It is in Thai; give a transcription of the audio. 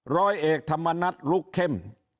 ร้อยเอกธรรมนัฐลุกเข้ม